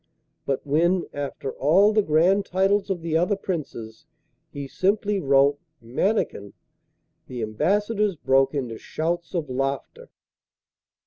But when, after all the grand titles of the other Princes, he simply wrote 'Mannikin,' the ambassadors broke into shouts of laughter.